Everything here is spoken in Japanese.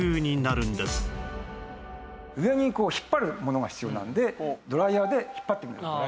上にこう引っ張るものが必要なのでドライヤーで引っ張ってみます。